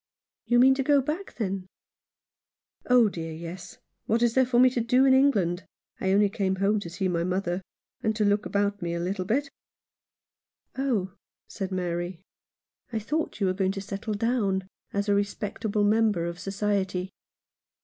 " You mean to go back, then ?" "Oh dear, yes. What is there for me to do in England ? I only came home to see my mother, and to look about me a little bit." "Oh," said Mary, "I thought you were going to settle down as a respectable member of society."